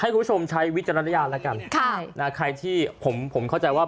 คุณผู้ชมใช้วิจารณญาณแล้วกันค่ะนะใครที่ผมผมเข้าใจว่า